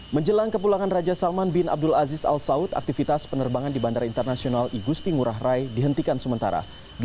menjelang kepulangan raja salman bin abdul aziz al saud aktivitas penerbangan di bandara internasional igusti ngurah rai dihentikan sementara